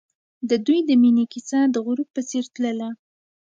د دوی د مینې کیسه د غروب په څېر تلله.